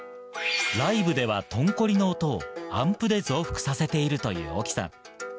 ライブではトンコリの音をアンプで増幅させているというＯＫＩさん。